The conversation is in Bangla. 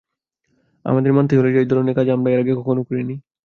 আমাদের মানতেই হল যে এই ধরণের কাজ আমরা এর আগে কখনও করিনি।